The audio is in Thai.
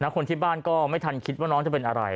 คนที่บ้านก็ไม่ทันคิดว่าน้องจะเป็นอะไร